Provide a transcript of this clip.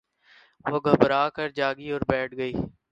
وہ گھبرا کر جاگی اور بیٹھ گئی